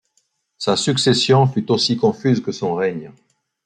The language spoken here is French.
Sa succession fut aussi confuse que son règne.